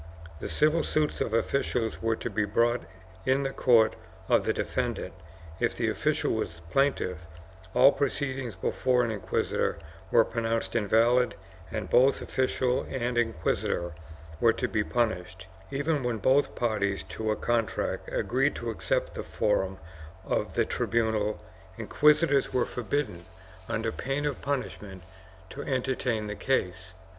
The civil suits of officials were to be brought in the court of the defendant; if the official was plaintiff, all pro ceedings before an inquisitor were pronounced invalid and both official and inquisitor were to be punished; even when both par ties to a contract agreed to accept the forum of the tribunal, inquisitors were forbidden, under pain of punishment, to enter tain the case.